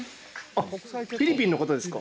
フィリピンの方ですか。